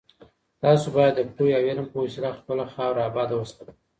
تاسو بايد د پوهي او علم په وسيله خپله خاوره اباده وساتئ.